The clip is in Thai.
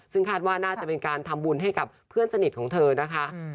ซึ่งคาดว่าน่าจะเป็นการทำบุญให้กับเพื่อนสนิทของเธอนะคะ